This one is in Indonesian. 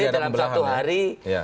jadi dalam suatu hari